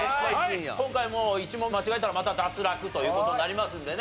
今回も１問間違えたらまた脱落という事になりますんでね。